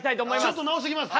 ちょっと直してきます。